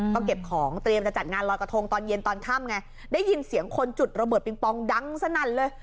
ก็เก็บของเตรียมจะจัดงานรอยกระทงตอนเย็นตอนค่ำไงได้ยินเสียงคนจุดระเบิดปิงปองดังสนั่นเลย